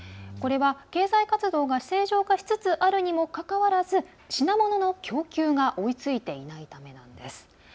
これは、経済活動が正常化しつつあるにもかかわらず品物の供給が追いついていないためなんです。